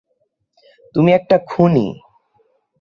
তুমি একটা খুনি!